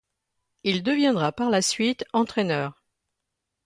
Il deviendra par la suite entraîneur.